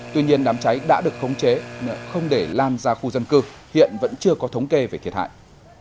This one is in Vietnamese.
tuy nhiên đám cháy đã được khống chế không để lan ra khu dân cư hiện vẫn chưa có thống kê về thiệt hại